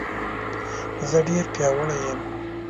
زه ډېر پیاوړی یم